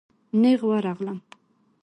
نېغ ورغلم.